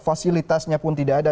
fasilitasnya pun tidak ada